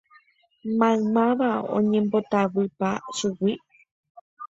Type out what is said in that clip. Maymáva oñembotavypa chugui.